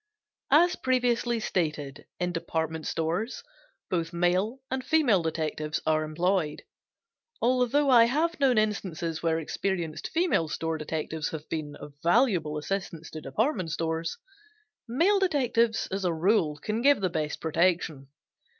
As previously stated, in department stores, both male and female detectives are employed. Although I have known instances where experienced female store detectives have been of valuable assistance to department stores, male detectives, as a rule, can give the best protection.